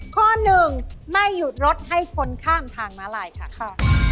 ข้อหนึ่งไม่หยุดรถให้คนข้ามทางม้าลายค่ะ